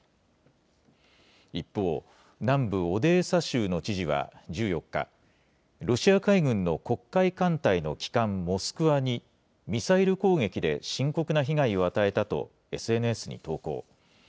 一方、南部オデーサ州の知事は１４日、ロシア海軍の黒海艦隊の旗艦モスクワに、ミサイル攻撃で深刻な被害を与えたと、ＳＮＳに投稿。